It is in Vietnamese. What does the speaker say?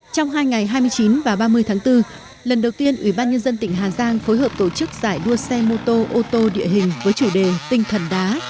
trong hai ngày hai mươi chín và ba mươi tháng bốn lần đầu tiên ủy ban nhân dân tỉnh hà giang phối hợp tổ chức giải đua xe mô tô ô tô địa hình với chủ đề tinh thần đá